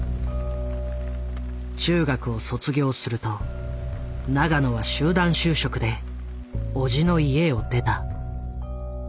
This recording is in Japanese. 中学を卒業すると永野は集団就職で叔父の家を出た。